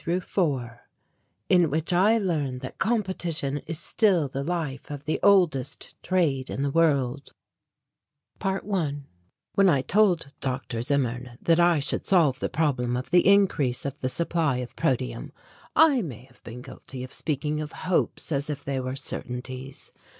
CHAPTER VI IN WHICH I LEARN THAT COMPETITION IS STILL THE LIFE OF THE OLDEST TRADE IN THE WORLD ~1~ When I told Dr. Zimmern that I should solve the problem of the increase of the supply of protium I may have been guilty of speaking of hopes as if they were certainties.